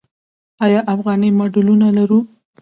آیا افغاني ماډلونه لرو؟